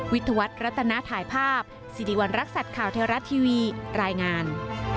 วัตรรัตนาถ่ายภาพสิริวัณรักษัตริย์ข่าวเทวรัฐทีวีรายงาน